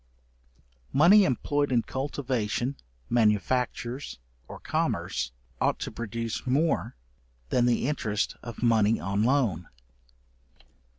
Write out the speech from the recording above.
Money employed in cultivation, manufactures, or commerce, ought to produce more than the interest of money on loan.